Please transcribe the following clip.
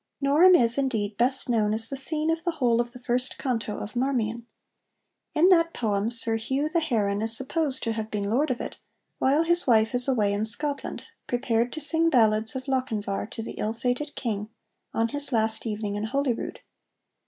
Norham is, indeed, best known as the scene of the whole of the first canto of 'Marmion.' In that poem Sir Hugh the Heron is supposed to have been Lord of it, while his wife is away in Scotland, prepared to sing ballads of Lochinvar to the ill fated King on his last evening in Holyrood.